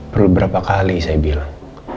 perlu berapa kali saya bilang